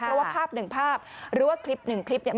เพราะว่าภาพหนึ่งภาพหรือว่าคลิปหนึ่งคลิปเนี่ย